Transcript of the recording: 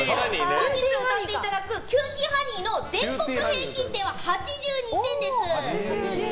本日歌っていただく「キューティーハニー」の全国平均点は８２点です。